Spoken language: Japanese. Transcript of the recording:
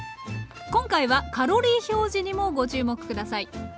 今回はカロリー表示にもご注目下さい。